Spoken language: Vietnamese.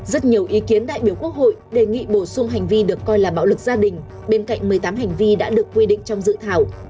rất nhiều ý kiến đại biểu quốc hội đề nghị bổ sung hành vi được coi là bạo lực gia đình bên cạnh một mươi tám hành vi đã được quy định trong dự thảo